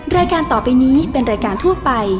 รายการต่อไปนี้เป็นรายการทั่วไป